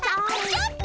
ちょっと！